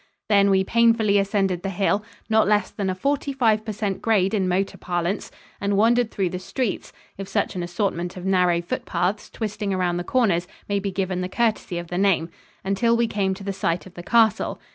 Then we painfully ascended the hill not less than a forty five per cent grade in motor parlance and wandered through the streets if such an assortment of narrow foot paths, twisting around the corners, may be given the courtesy of the name until we came to the site of the castle.